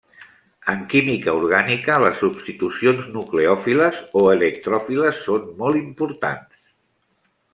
En química orgànica les substitucions nucleòfiles o electròfiles són molt importants.